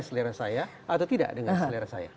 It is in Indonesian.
selera saya atau tidak dengan selera saya